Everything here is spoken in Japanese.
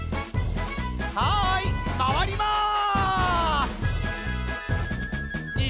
はいまわります！